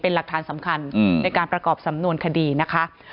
เป็นหลักฐานสำคัญในการประกอบสำนวนคดีนะคะ